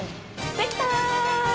できた！